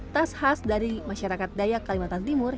tas khas dari masyarakat dayak kalimantan timur